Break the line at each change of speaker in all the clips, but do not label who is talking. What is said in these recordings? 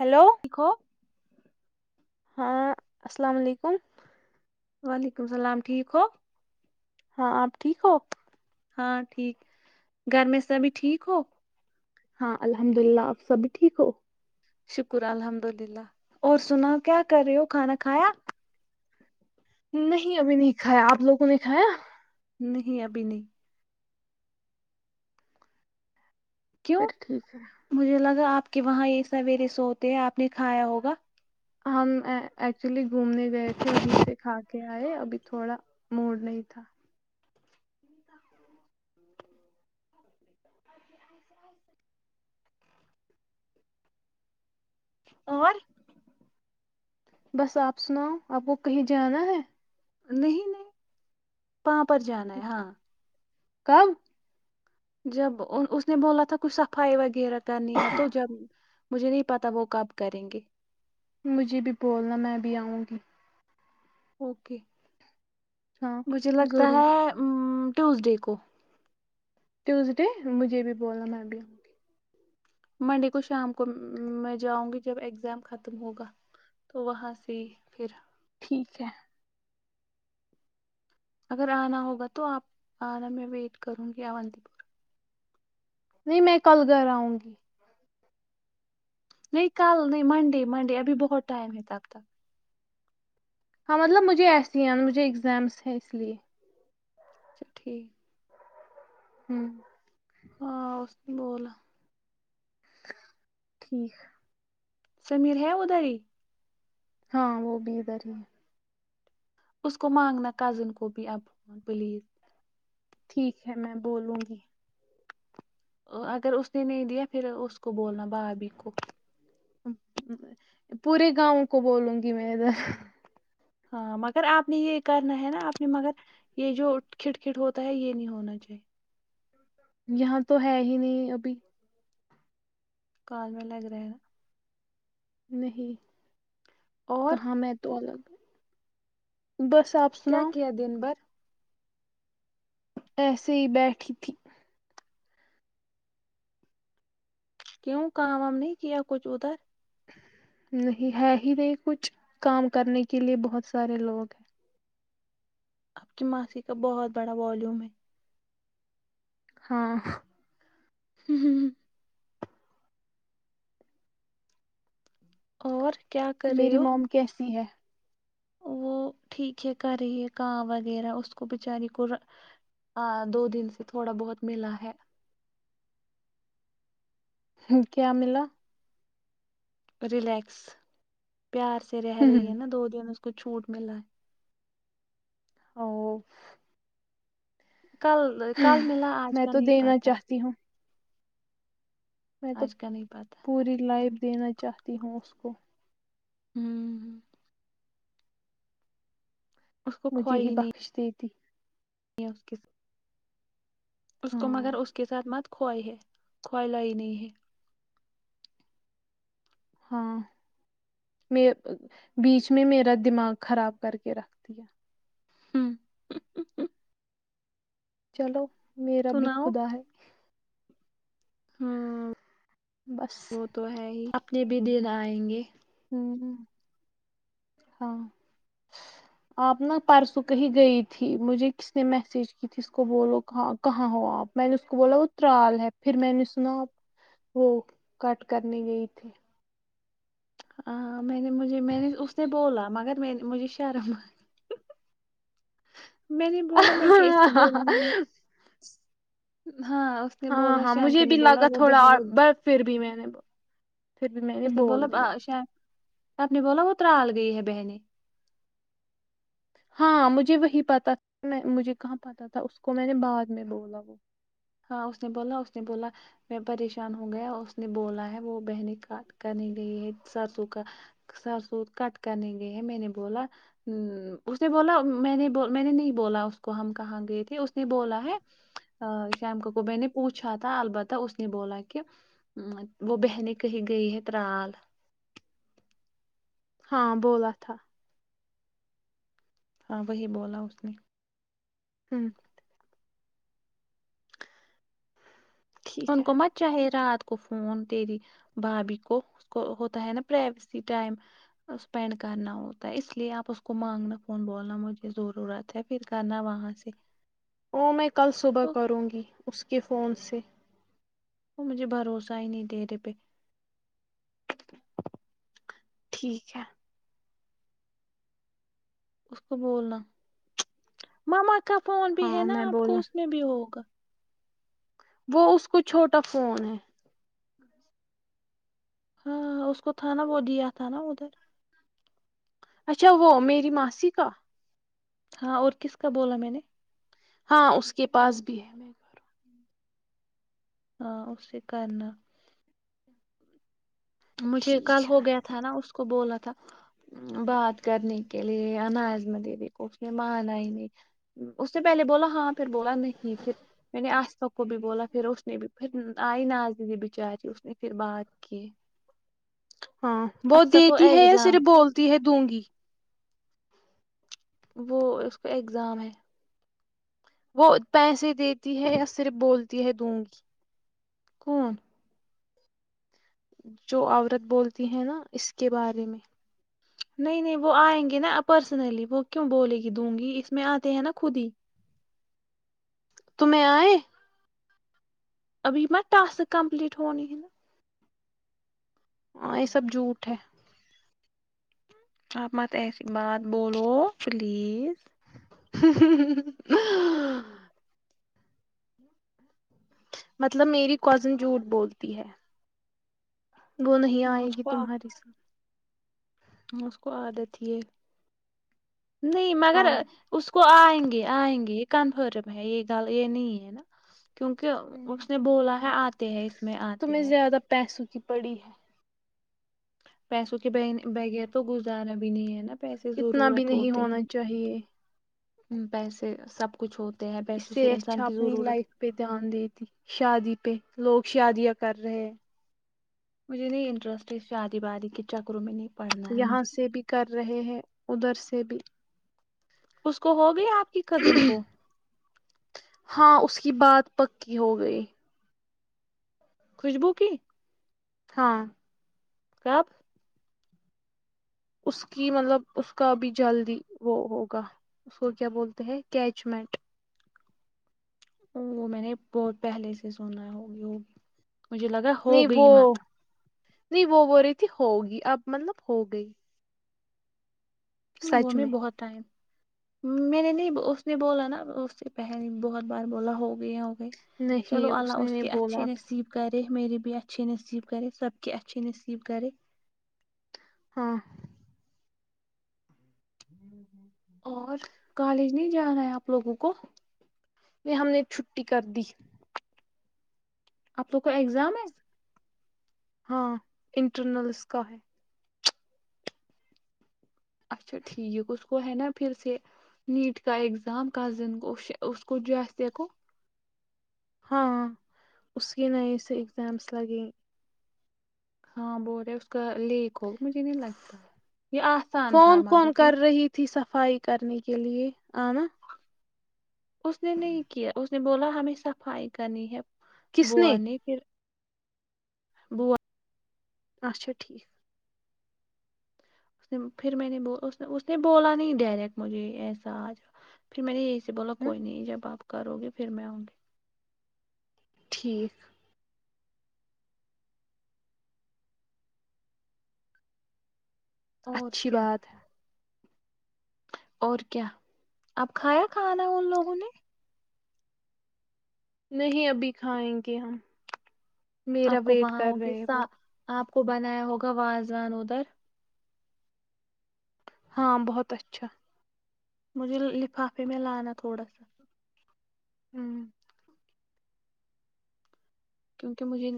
hello
ٹھیک ہو
ہاں السلام علیکم
وعلیکم السلام ٹھیک ہو
ہاں آپ ٹھیک ہو
ہاں ٹھیک گھر میں سبھی ٹھیک ہو
ہاں الحمد للہ آپ سب ٹھیک ہو
شکر الحمد للہ اور سنا کیا کر رہے ہو کھانا کھایا
نہیں ابھی نہیں کھایا آپ لوگوں نے کھایا
نہیں ابھی نہیں
پھر
کیوں
ٹھیک ہے
مجھے لگا آپ کے وہاں یہ سویرے سوتے ہیں آپ نے کھایا ہوگا
ہم ایکچولی گھومنے گئے تھے وہیں سے کھا کے آئے ابھی تھوڑا موڈ نہیں تھا
اور
بس آپ سناؤ آپ کو کہیں جانا ہے
نہیں نہیں وہاں پر جانا ہے ہاں
کب
جب اس نے بولا تھا کچھ صفائی وغیرہ کا نی ہے تو جب مجھے نہیں پتا وہ کب کریں گے
مجھے بھی بولنا میں بھی آؤں گی
اوکے
ہاں
مجھے لگتا ہے
ضرور
ا ٹیوزڈے کو
ٹیوزڈے مجھے بھی بولنا میں بھی ہوں گی
منڈے کو شام کو میں جاؤں گی جب اگزام ختم ہوگا تو وہاں سے ہی پھر
ٹھیک ہے
اگر آنا ہوگا تو آپ آنا میں ویٹ کروں گی آتی پور
نہیں میں کل گھر آؤں گی
نہیں کل نہیں منڈے منڈے ابھی بہت ٹائم ہےتا اب تک
ہاں مطلب مجھے ایسیے ہیں نا مجھے اگزامس ہے اس لیے
اچھا ٹھیک
ہوں
ہاں اس تو بول
ٹھیک
سمیر ہے اداری
ہاں وہ بھی ادھر ہی ہے
اس کو مانگنا کزن کو بھی اب فون پلیز
ٹھیک ہے میں بولوں گی
اگر اس نے نہیں دیا پھر اس کو بولنا بھابھی کو
پورے گاؤں کو بولوں گی میں ادھر
ہاں مگر آپ نے یہ کرنا ہے نا آپ نے مگر یہ جو کھٹ کٹ ہوتا ہے یہ نہیں ہونا چاہیے
یہاں تو ہے ہی نہیں ابھی
کال میں لگ رہےا
نہیں
اور
کہاں میں تو الگ بس آپ
کیا
سناؤ
کیا دن بھر
ایسے ہی بیٹھی تھی
کیوں کام وام نہیں کیا کچھ ادھر
نہیں ہے ہی نہیں کچھ کام کرنے کے لیے بہت سارے لوگ ہیں
اب کی ماسیی کا بہت بڑا والیوم ہے
ہاں
ہ ہ ہ اور کیا کر رہے
میری
ہو
موم کیسی ہے
وہ ٹھیک ہے کر رہی ہے کااں وغیرہ اس کو بچاری کو دو دن سے تھوڑا بہت ملا ہے
کیا ملا
رلیکس پیار سے رہی ہے نا دو دن کو چھوٹ ملا ہے
اور
کل کل ملا آج
میں
کا
تو
نہیں
دینا
پتا
چاہتی ہوں میں تو
کا نہیں پاتا
پوری لائف دینا چاہتی ہوں اس کو
ہوں ہ
مجھے ہی بخشتی [inaudible]
یا اس کے ساتھ اس کو
ہاں
مگر اس کے ساتھ مت کوائے ہے کوائے لائی نہیں ہے
ہاں میں بیچ میں میرا دماغ خراب کر کے رکھتی ہے
ہوں
چلو میرا بھی خدا ہے
ہاں
بس
وہ تو ہے ہی اپنے بھی دن آئیں گے
ہ ہاں آپ نا پرسوں کہ ہی گئی تھی مجھے کس نے میسج کی تھی اس کو بولو کہاں کہاں ہو آپ میں نے اس کو بولا وہ ترال ہے پھر میں نے سنا آپ وہ کٹ کرنے گئی تھی
ہاں میں نے مجھے میں نے اس نے بولا مگر مجھے شرم میں نے بولا میں کہ اس کو بولوں گی ہاں اس نے
ہاں
بولا
ہاں
شام
مجھے
کا نے
بھی
بولا
لگا
وہ
تھوڑا
بہن
اور ب پھر بھی میں نے پھر بھی میں نے
اس بولا
بول دیا
آ، شام آپ نے بولا وہترال گئی ہے بہنی
ہاں مجھے وہی پتا تھا میں مجھے کہاں پتہ تھا اس کو میں نے بعد میں بولا وہ
ہاں اس نے بولا اس نے بولا میں پریشان ہو گیا اس نے بولا ہے وہ بہنیں کاٹ کرنے گئی ہے سرسوں کا سرسوں کٹ کرنے گئی ہے میں نے بولا اس نے بولا میں نے میں نے نہیں بولا اس کو ہم کہاں گئے تھے اس نے بولا ہے شم کا کو میں نے پوچھا تھا البتہ اس نے بولا کہ وہ بہنیں کہی گئی ہے ترال
ہاں بولا تھا
ہاں وہی بولا اس نے
ہوں ٹھیک
ان
ہے
کو مت چاہیے رات اس کو فون تری بھابھی کو اس کو ہوتا ہے نا پرائیویسی ٹائم اسپینڈ کرنا ہوتا ہے اس لیے آپ اس کو مانگنا فون بولنا مجھے ضرورت ہے پھر کرنا وہاں سے
او میں کل صبح
وہ
کروں گی اس کے فون سے
وہ مجھے بھروسہ ہی نہیں دےیرے پہ
ٹھیک ہے
اس کو بولنا ماما کا فون بھی ہے
ہاں
نا
میں
آپ کو
بولوں
اس میں بھی ہوگا
وہ اس کو چھوٹا فون ہے
ہاں اس کو تھا نا وہ دیا تھا نا ادھر
اچھا وہ میری ماسی کا
ہاں اور کس کا بولا میں نے
ہاں اس کے پاس بھی ہے میں گ ہوں
ہاں اسی کرنا مجھے کل
ٹھیک ہے
ہو گیا تھا نا اس اس کو بولا تھا بات کرنے کے لیے یا ناظمہ دیدی کو اس نے مانا ہی نہیں اس نے پہلے بولا ہاں پھر بولا نہیں پھر میں نے آسفا کو بھی بولا پھر اس نے بھی پھر آئی نااز دیدی بچاری اس نے پھر بات کی
ہاں بہت
اکثر کو
دیتی ہے یا صرف
ایگزام تھا
بولتی ہے دوں گی
وہ ا کو اگزام ہے
وہ پیسے دیتی ہے یا صرف بولتی ہے دوں گی
کون
جو عورت بولتی ہیں نا اس کے بارے میں
نہیں نہیں وہ آئیں گے نا پرسنلی وہ کیوں بولے گی دوں گی اس میں آتے ہیں نا خود ہی
تمہیں آئے
ابھی م ٹاسک کمپلیٹ ہونی ہے نا
ہ یہ سب جھوٹ ہے
آپ مت ایسی بات بولو پلیز
[inaudible] مطلب میری کزن جھوٹ بولتی ہے وہ نہیں
ہاں
آئے
اس
گی
کو
تمہاری س
اس کو آ دیتی ہے نہیں مگر
ہاں
اس کو وہ آئیں گے آئیں گے یہ کنفرم ہے یہ گ یہ نہیں ہے نا کیونکہ اس نے بولا ہے آتے ہے اس میں آتے
تمہیں
ہیں
زیادہ پیسوں کی پڑی ہے
پیسوں کے بغیر تو گزارا بھی نہیں ہے نا پیسے
اتنا بھی نہیں ہونا چاہیے
ہ پیسے سے سب کچھ ہوتے ہیں
اس
پیسوں
سے
انسان
اچھا
کی
اپنی
ضرورت
لائف پہ دھیان دیتی شادی پہ لوگ شادیاں کر رہے
مجھے نہیں انٹرسٹ ہے شادی بادی کے چکروں میں نہیں پڑھنا ہے
یہاں
مجھے
سے بھی کر رہے ہیں ادھر سے چب [inaudible]
اس کو ہو گیا کی کزن کو
ہاں اس کی بات پکی ہو گئی
خوشبو کی
ہاں
کب
اس کی مطلب اس کا بھی جلدی وہ ہوگا اس کو کیا بولتے ہیں انگیغمنٹ
ا وہ میں نے بہت پہلے سے سنا ہوگی ہوگی مجھے لگا ہو
نہیں
گئی مت
وہ نہیں وہ ب رہی تھی ہوگی اب مطلب ہو گئی
ہ وہ میں بہت ٹائم میں نے نہیں اس نے بولا نا اس سے پہلے بہت بار بولا ہو گیا
نہیں
چلو اللہ
نے
اس
نہیں
کے اچھے
بولا
نصیب کر میرے بھی اچھیے نصیب کرے سب کے اچھھی نصیب کرے
ہاں ہی ہ
اور کالج نہیں جان ہے آپ لوگوں کو
ہم نے چھٹی کر دی
اب تو کوئی اگزام ہے
ہاں انٹرنل اس کا ہے
اچھا ٹھیک اس کو ہے نا پھر سے نیٹ کا اگزام کزن کو اس کو جسے کو
ہاں اس کی نئے سے ایگزامس لگیں
ہاں بول رہے اس کا لیپ و مجھے نہیں لگتا یہ آسان تھا
فون کون
مگر یہ
کر رہی تھی صفائی کرنے کے لیے آ ن
اس نے نہیں کیا اس نے بولا ہمیں صفائی کرنی ہے
کس نے
بوونی پھر بو [inaudible]
اچھا ٹھیک
اس پھر میں نے اس نے بولا نہیں ڈائریکٹ مجھے ایسا آج پھر میں نے یہ جی بولو
ہ
کوئی نہیں جب بپ کو کرو گے پھر میں آؤں گی
ٹھیک
اور
اچھی
کیا
بات ہے
اور کیا اب کھایا کھانا ان لوگوں نے
نہیں ابھی کھائیں گے ہم میرا
آپ کو
ویٹ
وہاں
کر
ہوگے
رہے وہ
سا آپ کو بنایا ہوگا وازوان ادھر
ہاں بہت اچھا
مجھے لفافے میں لانا تھوڑا سا
ہوں
کیونکہ مجھے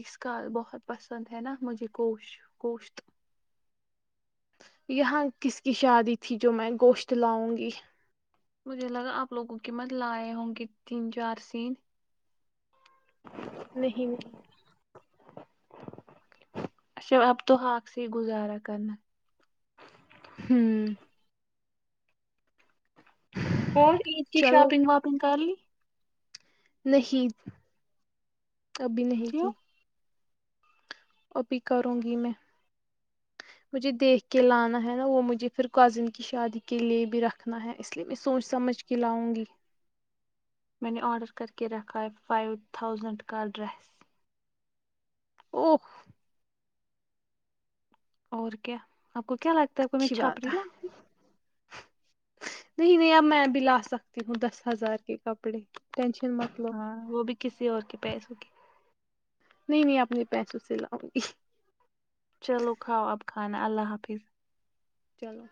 اس کا بہت پسند ہے نا مجھے کووشت گوشت
یہاں کس کی شادی تھی جو میں گوشت لاؤں گی
مجھے لگا آپ لوگوں کے مت لائے ہوں گے تین چار سین
نہیں نہیں
اچھا اب تو حاک سے ہی گزارا کرنا
ہوں
اور عید کی
چلو
شاپنگ واپنگ کر لی
نہیںی کبھی نہیں
کیوں
کی ابھی کروں گی میں مجھے دیکھ کے لانا ہے نا وہ مجھے پھر کزن کی شادی کے لیے بھی رکھنا ہے اس لیے میں سوچ سمجھ کے لاؤں گی
میں نے آرڈر کر کے رکھا ہے فائیو تھاؤزنڈ کا ڈریس
او
اور کیا آپ کو کیا لگتا ہے آپ کو م
اچھی
چھاپڑی
بات ہے
لگتی
نہیں نہیں اب میں بھی لا سکتی ہوں دس ہزار کے کپڑے ٹینشن مت لو
ہاں وہ بھی کسی اور کے پیسوں کی
نہیں نہیں اپنے پیسوں سے لاؤں گی
چلو کھاؤ اب خھانا اللہ حافظ
چلو